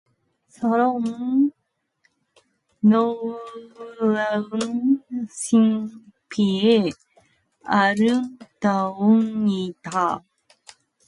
삶은 놀라운 신비요 아름다움이다.